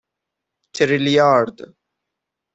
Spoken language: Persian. تریلیارد